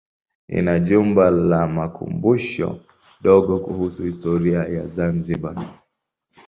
Ina jumba la makumbusho dogo kuhusu historia ya Zanzibar.